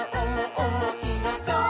おもしろそう！」